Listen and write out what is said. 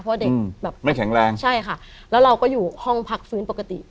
เพราะเด็กแบบไม่แข็งแรงใช่ค่ะแล้วเราก็อยู่ห้องพักฟื้นปกติ